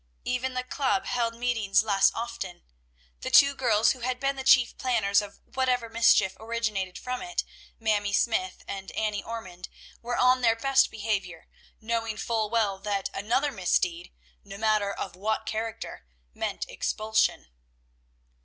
Even the club held meetings less often. The two girls who had been the chief planners of whatever mischief originated from it, Mamie Smythe and Annie Ormond, were on their best behavior, knowing full well that another misdeed, no matter of what character, meant expulsion.